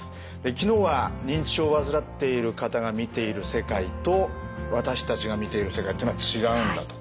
昨日は認知症を患っている方が見ている世界と私たちが見ている世界っていうのは違うんだと。